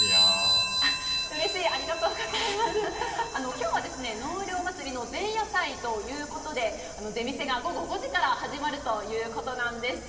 今日は納涼祭りの前夜祭ということで出店が午後５時から始まるということなんです。